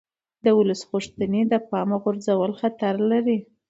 د ولس غوښتنې د پامه غورځول خطر لري